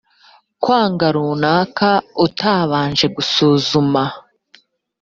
kwanga runaka utabanje gusuzuma